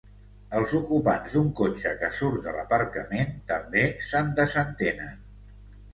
Els ocupants d'un cotxe que surt de l'aparcament també se'n desentenen.